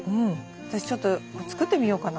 私ちょっと作ってみようかな。